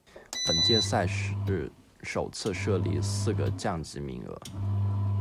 本届赛事首次设立四个降级名额。